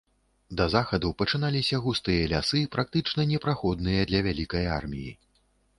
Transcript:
Да захаду пачыналіся густыя лясы, практычна непраходныя для вялікай арміі.